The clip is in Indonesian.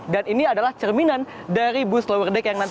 dan ini adalah cerminan dari bus lower deck yang nanti